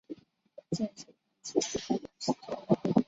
健身房器材还蛮齐全的